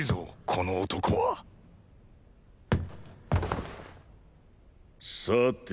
この男はさて。！？